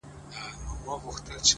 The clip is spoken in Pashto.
• زاړه به ځي نوي نسلونه راځي,